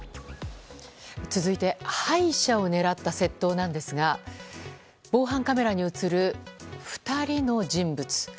続いて歯医者を狙った窃盗なんですが防犯カメラに映る２人の人物。